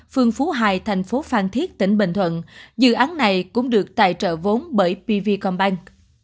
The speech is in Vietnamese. phường phú hải thành phố phan thiết tỉnh bình thuận dự án này cũng được tài trợ vốn bởi pvcombank